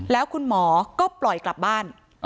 แล้วคุณหมอก็ปล่อยกลับบ้าน